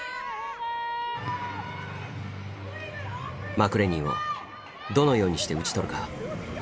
マクレニーをどのようにして打ち取るか？